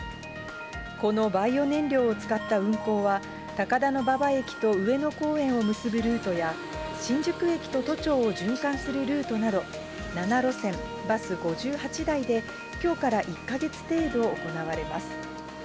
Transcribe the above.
このバイオ燃料を使った運行は、高田馬場駅と上野公園を結ぶルートや、新宿駅と都庁を循環するルートなど、７路線バス５８台で、きょうから１か月程度行われます。